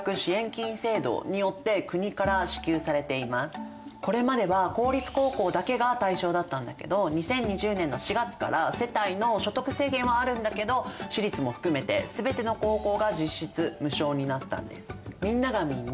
授業料はこれまでは公立高校だけが対象だったんだけど２０２０年の４月から世帯の所得制限はあるんだけど私立も含めてすべての高校が実質無償になったんです。